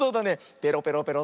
ペロペロペロ。